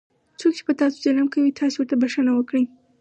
څوک چې په تاسو ظلم کوي تاسې ورته بښنه وکړئ.